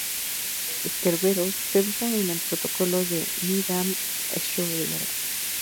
Kerberos se basa en el Protocolo de Needham-Schroeder.